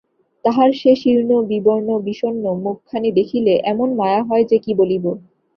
তাহার সে শীর্ণ বিবর্ণ বিষণ্ন মুখখানি দেখিলে এমন মায়া হয় যে, কী বলিব!